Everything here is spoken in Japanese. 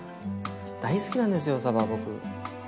大好きなんですよさば僕。